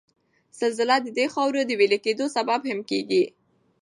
زلزله د د خاورو د ویلي کېدو سبب هم کیږي